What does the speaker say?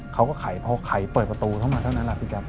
เขาก็ไขพอไขเปิดประตูเขามาเท่านั้นนะครับ